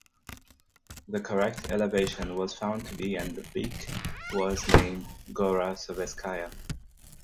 The correct elevation was found to be and the peak was named "Gora Sovetskaya".